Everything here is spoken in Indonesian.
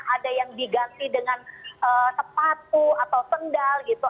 ada yang diganti dengan sepatu atau sendal gitu